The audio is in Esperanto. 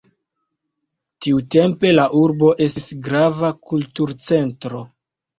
Tiutempe la urbo estis grava kulturcentro.